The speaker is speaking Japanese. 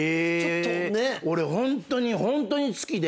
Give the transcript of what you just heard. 俺ホントにホントに好きで。